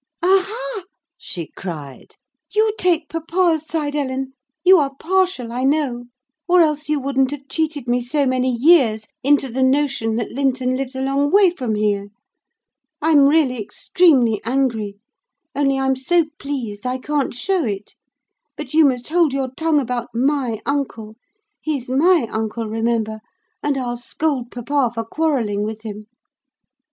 "Aha!" she cried, "you take papa's side, Ellen: you are partial I know; or else you wouldn't have cheated me so many years into the notion that Linton lived a long way from here. I'm really extremely angry; only I'm so pleased I can't show it! But you must hold your tongue about my uncle; he's my uncle, remember; and I'll scold papa for quarrelling with him."